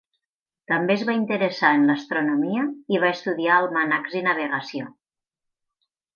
També es va interessar en l'astronomia i va estudiar almanacs i navegació.